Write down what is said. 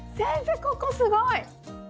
ここすごい。